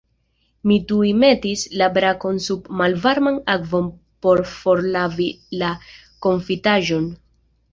Mi tuj metis la brakon sub malvarman akvon por forlavi la konfitaĵon.